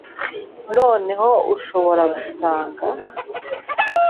noneho ushobora gusanga